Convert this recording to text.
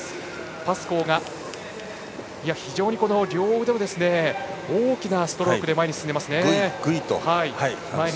パスコーは両腕の大きなストロークで前に進んでいますね。